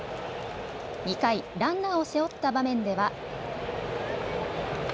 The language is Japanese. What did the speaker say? ２回、ランナーを背負った場面では。